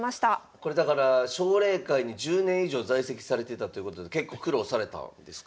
これだから奨励会に１０年以上在籍されてたということで結構苦労されたんですか？